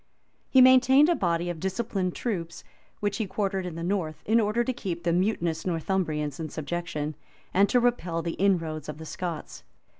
He maintained a body of disciplined troops; which he quartered in the north, in order to keep the mutinous Northumbrians in subjection, and to repel the inroads of the Scots.